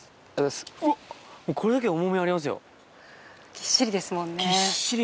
ぎっしりですもんね。